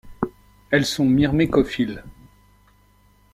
Elles sont myrmécophiles.